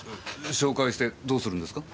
紹介してどうするんですか？